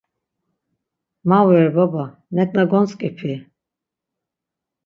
Ma vore baba, neǩna gontzǩipi?